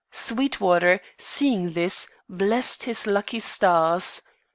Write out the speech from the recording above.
Sweetwater, seeing this, blessed his lucky stars.